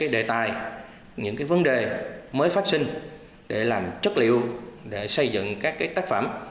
đề tài những vấn đề mới phát sinh để làm chất liệu để xây dựng các tác phẩm